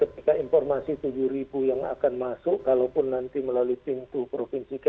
terima kasih pak